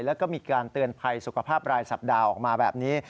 แล้วก็มีการเตือนภัยสุขภาพรายสัปดาห์ออกมาแบบนี้